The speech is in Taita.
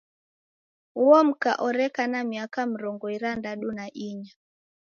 Uo mka oreka na miaka mrongo irandadu na inya.